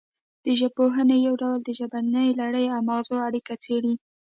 د ژبپوهنې یو ډول د ژبنۍ لړۍ او مغزو اړیکه څیړي